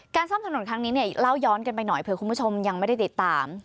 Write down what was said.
ซ่อมถนนครั้งนี้เนี่ยเล่าย้อนกันไปหน่อยเผื่อคุณผู้ชมยังไม่ได้ติดตาม